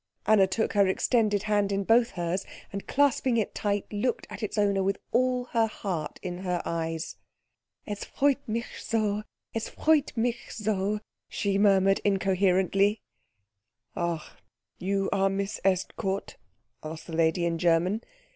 Anna took her extended hand in both hers, and clasping it tight looked at its owner with all her heart in her eyes. "Es freut mich so es freut mich so," she murmured incoherently. "Ach you are Miss Estcourt?" asked the lady in German.